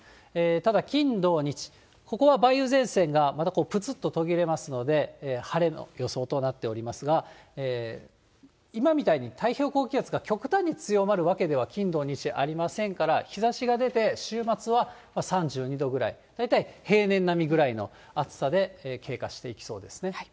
ただ金、土、日、ここは梅雨前線がまたぷつっと途切れますので、晴れの予想となっておりますが、今みたいに太平洋高気圧が極端に強まるわけでは、金、土、日ありませんから、日ざしが出て週末は３２度ぐらい、大体平年並みぐらいの暑さで経過していきそうですね。